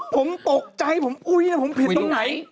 ผมตกใจผมอุ๊ยผมผิดตรงไหน